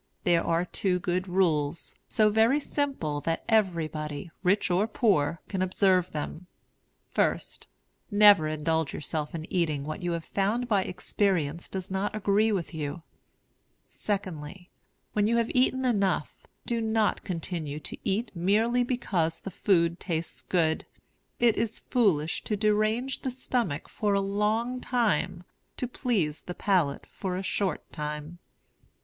There are two good rules, so very simple that everybody, rich or poor, can observe them: First, never indulge yourself in eating what you have found by experience does not agree with you; secondly, when you have eaten enough, do not continue to eat merely because the food tastes good. It is foolish to derange the stomach for a long time to please the palate for a short time.